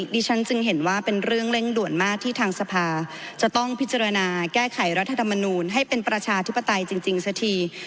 ดิฉันจึงเห็นว่าเป็นเรื่องเร่งด่วนมากที่ทางสภาจะต้องพิจารณาแก้ไขรัฐธรรมนูลให้เป็นประชาธิปไตยจริงสักที